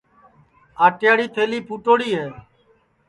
آٹیاڑی تھیلی پھٹوڑی ہے